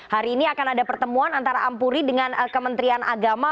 hari ini akan ada pertemuan antara ampuri dengan kementerian agama